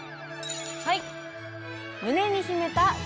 はい！